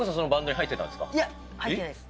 入ってないです。